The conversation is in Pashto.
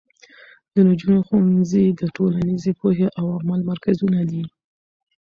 د نجونو ښوونځي د ټولنیزې پوهې او عمل مرکزونه دي.